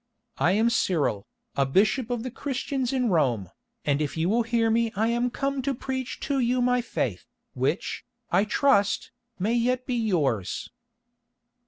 I am Cyril, a bishop of the Christians in Rome, and if you will hear me I am come to preach to you my faith, which, I trust, may yet be yours."